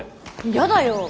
やだよ。